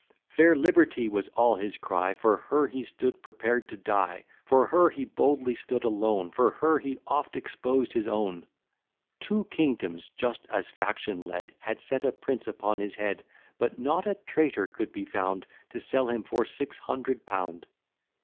Fair LIBERTY was all his cry, For her he stood prepared to die; For her he boldly stood alone; For her he oft exposed his own. Two kingdoms, just as faction led, Had set a price upon his head; But not a traitor could be found, To sell him for six hundred pound.